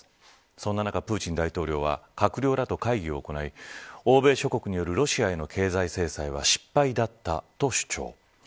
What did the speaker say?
そんな中、プーチン大統領は閣僚らと会議を行い欧米諸国によるロシアへの経済制裁は失敗だったと主張。